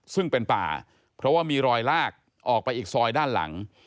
ซึ่งเป็นป่าเพราะว่ามีรอยลากออกไปอีกซอยด้านหลัง